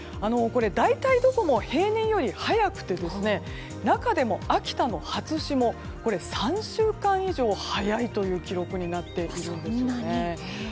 大体どこも平年より早くて中でも、秋田の初霜は３週間以上早い記録になっているんですね。